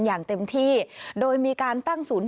อย่างเต็มที่โดยมีการตั้งศูนย์